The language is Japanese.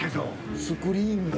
スクリーンが。